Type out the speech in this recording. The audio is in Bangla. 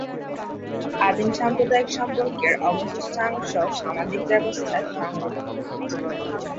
আদিম সাম্প্রদায়িক সম্পর্কের অবশিষ্টাংশ সামাজিক ব্যবস্থায় সংরক্ষিত রয়েছে।